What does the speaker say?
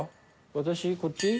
私こっち？